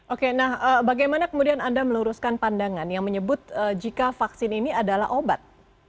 oke nah bagaimana kemudian anda meluruskan pandangan yang menyebut jika vaksin ini adalah obat